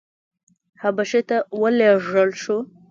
حبشې ته ولېږل شو.